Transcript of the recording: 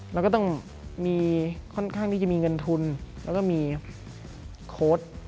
แล้วก็ต้องมีค่อนข้างที่จะมีเงินทุนแล้วก็มีโค้ด